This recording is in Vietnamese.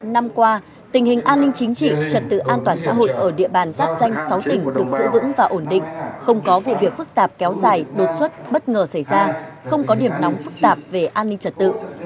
năm qua tình hình an ninh chính trị trật tự an toàn xã hội ở địa bàn giáp danh sáu tỉnh được giữ vững và ổn định không có vụ việc phức tạp kéo dài đột xuất bất ngờ xảy ra không có điểm nóng phức tạp về an ninh trật tự